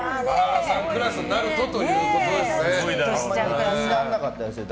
田原さんクラスになるとということですね。